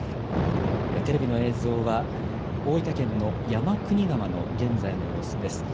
テレビの映像は大分県の山国川の現在の様子です。